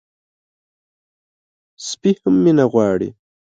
سپي هم مینه غواړي.